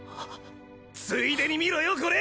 ついでに見ろよこれ！